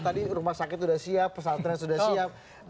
tadi rumah sakit sudah siap pesantren sudah siap